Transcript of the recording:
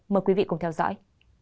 mời quý vị cùng theo dõi